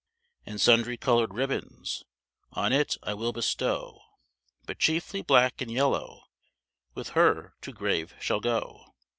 And sundry colored ribbons On it I will bestow; But chiefly blacke and yellowe With her to grave shall go.